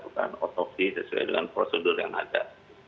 kita lakukan otopsi sesuai dengan prosedur yang ada